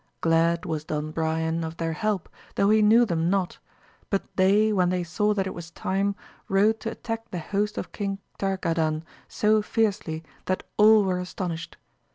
Glad was Don Brian of their help though he knew them not : but they, when they saw that it was time, rode to attack the host of King Targadan so fiercely that all were astonished.